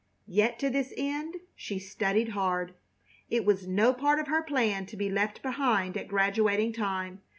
Yet to this end she studied hard. It was no part of her plan to be left behind at graduating time.